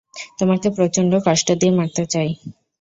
তোমাকে প্রচন্ড কষ্ট দিয়ে মারতে চাই।